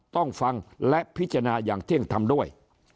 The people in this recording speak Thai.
ต้องฟังและพิจารณาอย่างเที่ยงทำด้วย